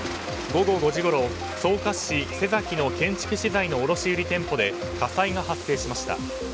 午後５時ごろ、草加市の建築資材の卸売店舗で火災が発生しました。